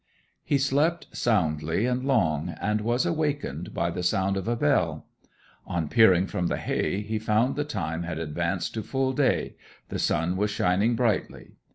He slept soundly and long, and was awakened by the sound of a bell. On peering from the hay he found the time had advanced to full day; the sun was shining brightly.